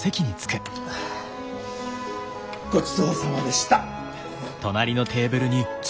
ごちそうさまでした。